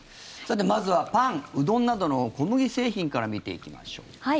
さて、まずはパン、うどんなどの小麦製品から見ていきましょう。